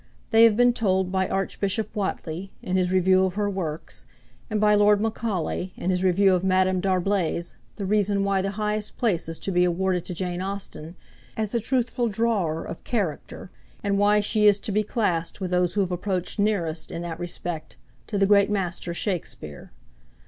They have been told by Archbishop Whately, in his review of her works, and by Lord Macaulay, in his review of Madame D'Arblay's, the reason why the highest place is to be awarded to Jane Austen, as a truthful drawer of character, and why she is to be classed with those who have approached nearest, in that respect, to the great master Shakspeare.